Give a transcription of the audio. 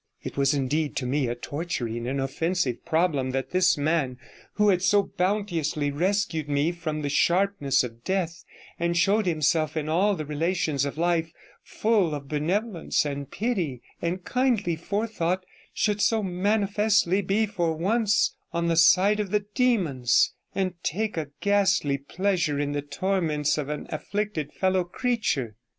It was indeed to me a torturing and offensive problem that this man, who had so bounteously rescued me from the sharpness of death, and showed himself in all the relations of life full of benevolence, and pity, and kindly forethought, should so manifestly be for once on the side of the demons, and take a ghastly pleasure in the torments of an afflicted fellow creature.